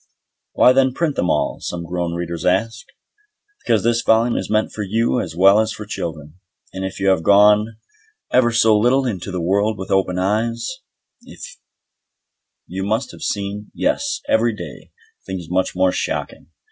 "Why then print them at all?" some grown reader asks. Because this volume is meant for you as well as for children, and if you have gone ever so little into the world with open eyes, you must have seen, yes, every day, things much more shocking.